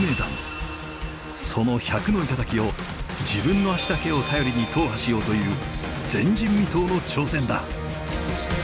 その１００の頂を自分の足だけを頼りに踏破しようという前人未到の挑戦だ。